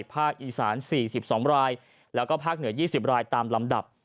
ภาคอีสาน๔๒รายแล้วก็ภาคเหนือ๒๐รายตามลำดับ